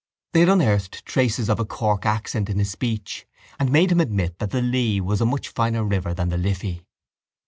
They had unearthed traces of a Cork accent in his speech and made him admit that the Lee was a much finer river than the Liffey.